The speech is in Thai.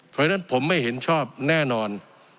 เพราะฉะนั้นผมไม่เห็นชอบแน่นอน